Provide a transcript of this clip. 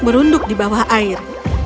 merunduk di bawah air